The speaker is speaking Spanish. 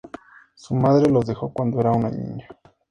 Su madre los dejó cuando era una niña.